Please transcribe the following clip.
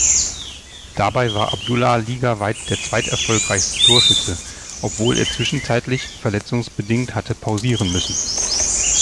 Dabei war Abdullah ligaweit der zweiterfolgreichste Torschütze, obwohl er zwischenzeitlich verletzungsbedingt hatte pausieren müssen.